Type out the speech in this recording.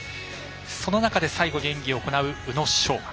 その中で最後に演技を行う宇野昌磨。